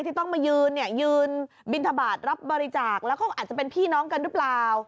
ที่ต้องมายืนเนี่ยยืนบินทบาทรับบริจาคแล้วก็อาจจะเป็นพี่น้องกันหรือเปล่า